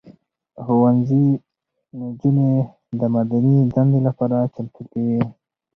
ښوونځي نجونې د مدني دندې لپاره چمتو کوي.